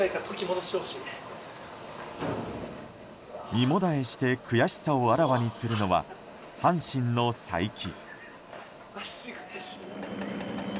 身もだえして悔しさをあらわにするのは阪神の才木。